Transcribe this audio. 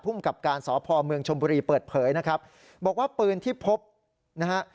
กับการสพเมืองชมบุรีเปิดเผยนะครับบอกว่าปืนที่พบนะฮะ